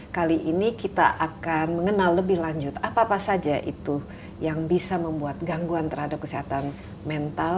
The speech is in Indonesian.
kali ini kita akan mengenal lebih lanjut apa apa saja itu yang bisa membuat gangguan terhadap kesehatan mental